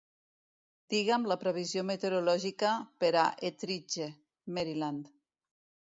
Diga'm la previsió meteorològica per a Ethridge, Maryland